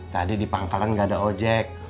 tadi di pangkalan gak ada oh jack